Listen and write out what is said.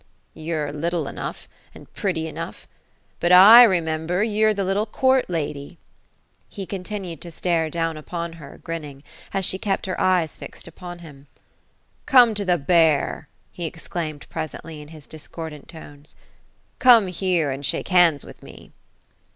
^ You're little enough ; and pretty enough. But I remember, you re the little court lady." He continued to stare down upon her, grinning ; as she kept her eyes fixed upon him. '* Come to the bear 1" he ex claimed presently, in his discordant tones; '^eome here, and shake hands with me."